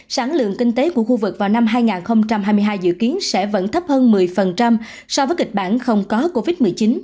sản lượng kinh tế của khu vực vào năm hai nghìn hai mươi hai dự kiến sẽ vẫn thấp hơn một mươi so với kịch bản không có covid một mươi chín